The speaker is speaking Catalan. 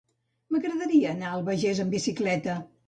M'agradaria anar a l'Albagés amb bicicleta.